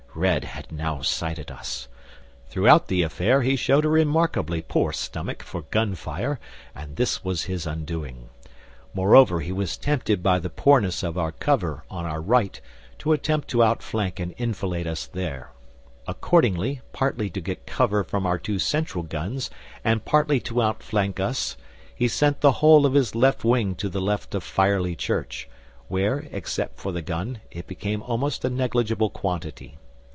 "Red had now sighted us. Throughout the affair he showed a remarkably poor stomach for gun fire, and this was his undoing. Moreover, he was tempted by the poorness of our cover on our right to attempt to outflank and enfilade us there. Accordingly, partly to get cover from our two central guns and partly to outflank us, he sent the whole of his left wing to the left of Firely Church, where, except for the gun, it became almost a negligible quantity.